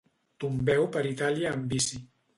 Tombeu per Itàlia en bici.